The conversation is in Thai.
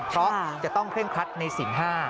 เพราะจะต้องเคล่งคัดในศิลป์ห้า